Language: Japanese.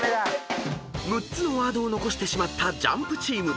［６つのワードを残してしまったＪＵＭＰチーム］